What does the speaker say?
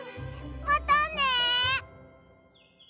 またね！